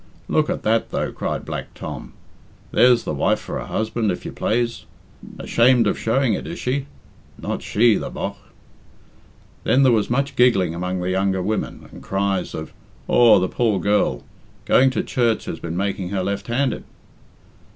"Look at that, though," cried Black Tom. "There's the wife for a husband, if you plaze. Ashamed of showing it, is she? Not she, the bogh." Then there was much giggling among the younger women, and cries of "Aw, the poor girl! Going to church has been making her left handed!"